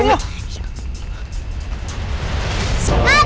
yuk yuk yuk